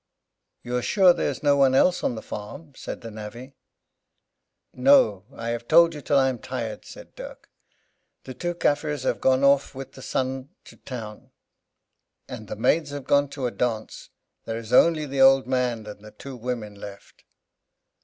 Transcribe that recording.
"You are sure there is no one else on the farm?" said the navvy. "No, I have told you till I am tired," said Dirk; "The two Kaffirs have gone with the son to town; and the maids have gone to a dance; there is only the old man and the two women left."